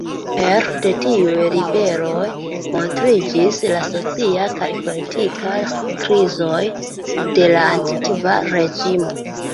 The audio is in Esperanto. Pere de tiuj ribeloj, montriĝis la socia kaj politika krizoj de la Antikva Reĝimo.